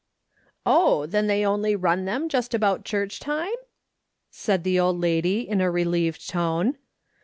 " Oh, then they only run them just about church time ?" said the old lady, in a relieved tone.